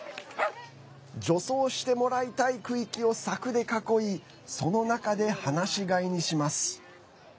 除草してもらいたい区域を柵で囲いその中で、放し飼いにします。